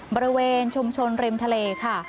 บริเวณชุมชนริมทะเลค่ะ